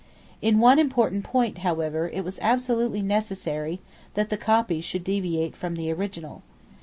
In one important point, however, it was absolutely necessary that the copy should deviate from the original.